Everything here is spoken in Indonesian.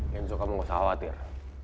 kenzo kamu enggak usah khawatir